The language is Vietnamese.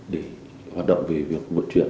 để hoạt động về việc vận chuyển